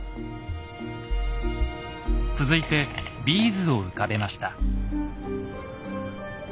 続いてビーズを浮かべました。